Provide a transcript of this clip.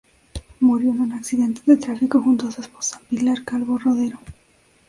Murió en un accidente de tráfico junto a su esposa, Pilar Calvo Rodero.